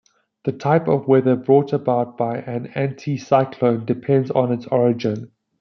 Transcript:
The type of weather brought about by an anticyclone depends on its origin.